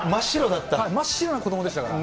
真っ白な子どもでしたから。